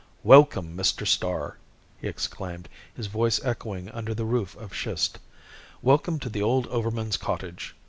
"Welcome, Mr. Starr!" he exclaimed, his voice echoing under the roof of schist. "Welcome to the old overman's cottage!